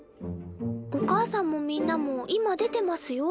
おかあさんもみんなも今出てますよ。